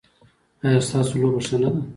ایا ستاسو لوبه ښه نه ده؟